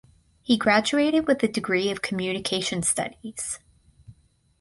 He graduated with the degree of communication studies.